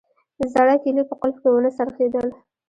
زړه کیلي په قلف کې ونه څرخیدل